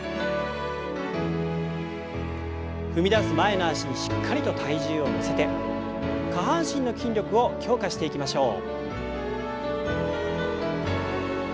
踏み出す前の脚にしっかりと体重を乗せて下半身の筋力を強化していきましょう。